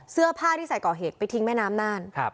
เสื้อผ้าที่ใส่ก่อเหตุไปทิ้งแม่น้ำน่าน